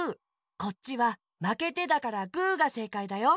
こっちは「まけて」だからグーがせいかいだよ。